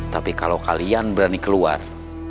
tapi kalau kalian berani keluar